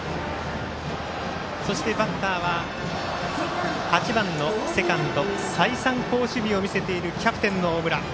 そしてバッターは８番のセカンド、再三好守備を見せているキャプテンの大村。